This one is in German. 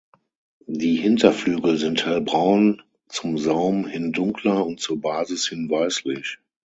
Die Hinterflügel sind hellbraun, zum Saum hin dunkler und zur Basis hin weißlich.